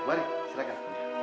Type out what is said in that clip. yuk mari silahkan